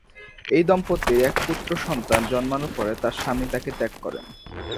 এই দম্পতির এক পুত্র সন্তান জন্মানোর পরে তাঁর স্বামী তাঁকে ত্যাগ করেন।